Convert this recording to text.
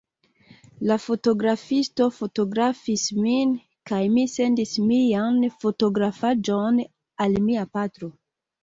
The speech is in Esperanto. La fotografisto fotografis min, kaj mi sendis mian fotografaĵon al mia patro.